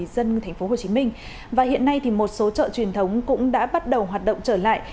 các chợ truyền thống cũng đã bắt đầu hoạt động trở lại